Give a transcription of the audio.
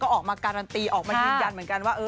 ออกมาการันตีออกมายืนยันเหมือนกันว่า